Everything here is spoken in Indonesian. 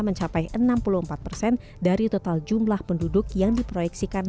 mencapai enam puluh empat persen dari total jumlah penduduk yang diproyeksikan